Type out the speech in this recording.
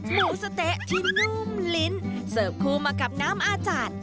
หมูสะเต๊ะที่นุ่มลิ้นเสิร์ฟคู่มากับน้ำอาจารย์